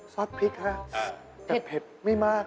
ซอสพริกถ้าเผ็ดไม่มาก